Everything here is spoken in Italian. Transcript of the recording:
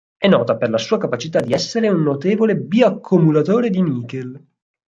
È nota per la sua capacità di essere un notevole bio-accumulatore di nichel.